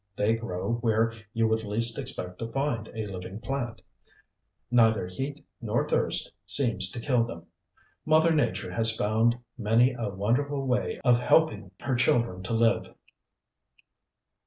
They grow where you would least expect to find a living plant. Neither heat nor thirst seems to kill them. Mother Nature has found many a wonderful way of helping her children to live.